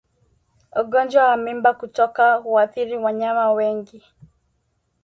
Ugonjwa wa mimba kutoka huathiri wanyama wengi